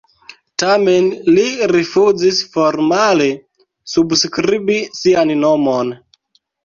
Tamen li rifuzis formale subskribi sian nomon.